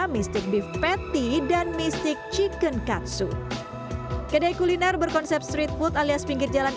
mistik beef patty dan mistik chicken katsu kedai kuliner berkonsep street food alias pinggir jalan